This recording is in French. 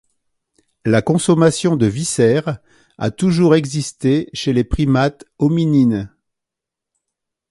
La consommation de viscères a toujours existé chez les primates hominines.